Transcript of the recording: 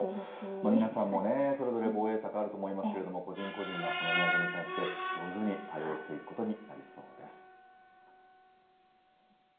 皆さんもね、それぞれ防衛策あると思いますけれども、個人個人がこの値上げに対して、上手に対応していくことになりそうです。